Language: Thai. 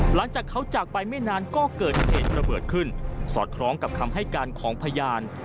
หลังจากเขาจากไปไม่นานก็เกิดเหตุระเบิดขึ้นสอดคล้องกับคำให้การของพยาน